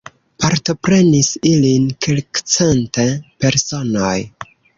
Partoprenis ilin kelkcent personoj.